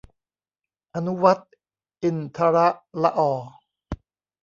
อนุวัฒน์ อินทรต์ละออ